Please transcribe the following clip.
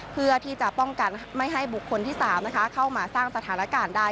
เพื่อที่จะป้องกันไม่ให้บุคคลที่๓เข้ามาสร้างสถานการณ์ได้